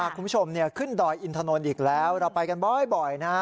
คุณผู้ชมขึ้นดอยอินทนนท์อีกแล้วเราไปกันบ่อยนะฮะ